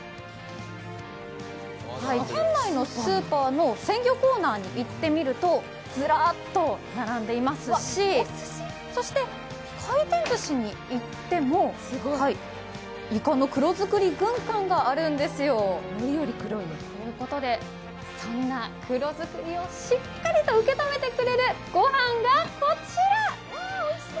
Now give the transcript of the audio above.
県内のスーパーの鮮魚コーナーに行ってみるとずらっと並んでいますし、回転ずしに行ってもいかの黒作り軍艦があるんですよ。ということで、そんな黒作りをしっかりと受け止めてくれるご飯がこちら。